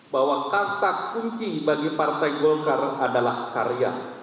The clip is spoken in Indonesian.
bahwa kata kunci bagi partai golkar adalah karya